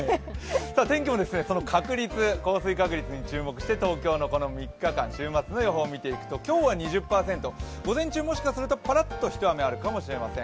天気も確率、降水確率に注目して東京のこの３日間週末の予報を見ていくと、今日は２０％、午前中、もしかするとパラッとひと雨あるかもしれません。